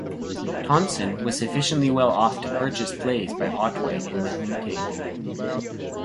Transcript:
Tonson was sufficiently well off to purchase plays by Otway and Nahum Tate.